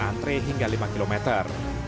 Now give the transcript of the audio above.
antre hingga lima kilometer